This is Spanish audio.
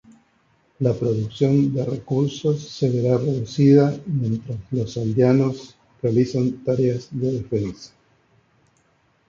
La producción de recursos se verá reducida mientras los aldeanos realizan tareas de defensa.